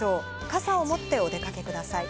傘を持ってお出かけください。